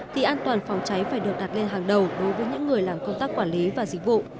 thì an toàn phòng cháy phải được đặt lên hàng đầu đối với những người làm công tác quản lý và dịch vụ